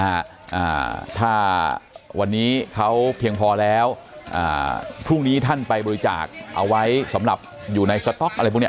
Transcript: อ่าถ้าวันนี้เขาเพียงพอแล้วอ่าพรุ่งนี้ท่านไปบริจาคเอาไว้สำหรับอยู่ในสต๊อกอะไรพวกเนี้ย